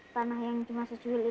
tanah yang cuma sepanjangnya